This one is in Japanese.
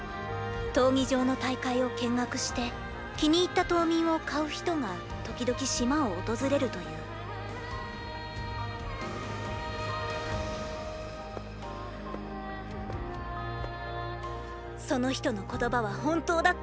闘技場の大会を見学して気に入った島民を買う人が時々島を訪れるというその人の言葉は本当だった。